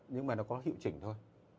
nhưng mà nó có hiệu chỉnh thôi